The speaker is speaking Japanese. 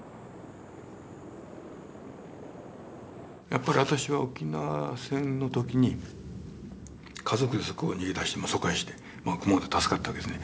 やっぱり私は沖縄戦の時に家族でそこを逃げ出し疎開して熊本で助かったわけですね。